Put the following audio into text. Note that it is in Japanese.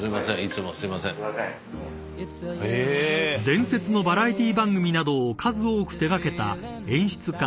［伝説のバラエティー番組などを数多く手掛けた演出家